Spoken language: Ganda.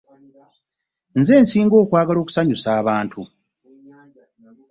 Nze nsinga okwagala okusanyusa abantu.